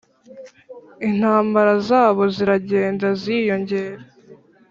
intambara zabo ziragenda ziyongera.